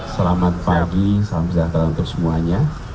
selamat pagi salam sejahtera untuk semuanya